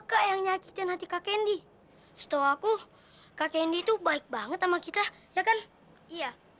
ke yang nyakitin hati kak kendi setau aku kakek itu baik banget sama kita ya kan iya